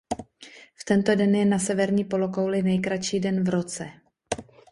V tento den je na severní polokouli nejkratší den v roce.